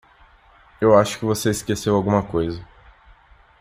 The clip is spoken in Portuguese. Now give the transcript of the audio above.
Eu acho que você esqueceu alguma coisa.